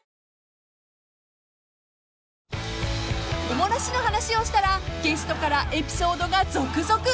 ［お漏らしの話をしたらゲストからエピソードが続々］